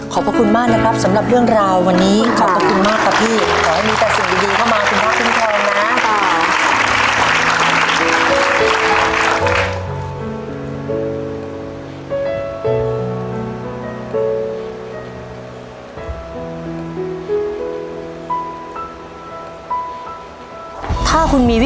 ขอบคุณมากนะครับสำหรับเรื่องราววันนี้ขอบคุณมากครับพี่